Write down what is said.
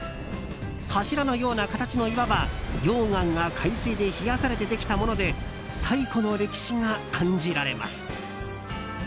柱のような形の岩は溶岩が海水で冷やされてできたもので太古の歴史が感じられます。